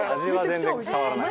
味は全然変わらない。